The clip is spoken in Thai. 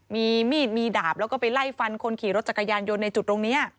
มีมีดมีดาบแล้วก็ไปไล่ฟันคนขี่รถจักรยานยนต์ในจุดตรงนี้